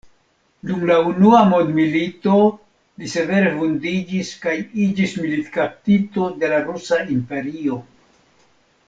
Dum la Unua Mondmilito li severe vundiĝis kaj iĝis militkaptito de la Rusa Imperio.